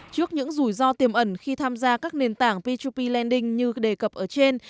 trước những rủi ro tiềm ẩn khi tham gia các nền tảng pop p lending như đề cập ở trên